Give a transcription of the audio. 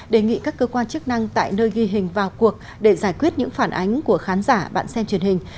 đề nghị các cơ quan chức năng tại nơi ghi hình vào cuộc để giải quyết những phản ánh của khán giả bạn xem truyền hình